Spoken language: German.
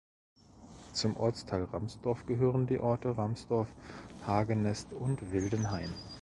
Zum Ortsteil Ramsdorf gehören die Orte Ramsdorf, Hagenest und Wildenhain.